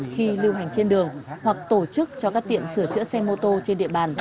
khi lưu hành trên đường hoặc tổ chức cho các tiệm sửa chữa xe mô tô trên địa bàn